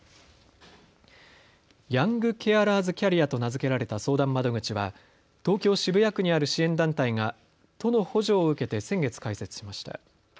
ヤングケアラーズキャリアと名付けられた相談窓口は東京渋谷区にある支援団体が都の補助を受けて先月、開設しました。